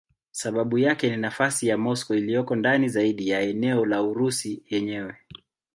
Sababu yake ni nafasi ya Moscow iliyoko ndani zaidi ya eneo la Urusi yenyewe.